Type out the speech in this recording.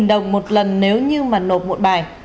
năm mươi đồng một lần nếu như mà nộp một bài